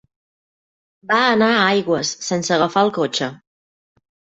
Va anar a Aigües sense agafar el cotxe.